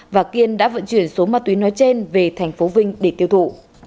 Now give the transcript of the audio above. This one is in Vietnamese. và kiên đã vận chuyển số ma túy nói trên về thành phố vinh để tiêu thụ